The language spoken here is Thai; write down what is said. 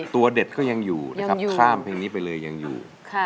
ตัวเด็ดก็ยังอยู่นะครับข้ามเพลงนี้ไปเลยยังอยู่